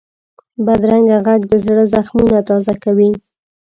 بدرنګه غږ د زړه زخمونه تازه کوي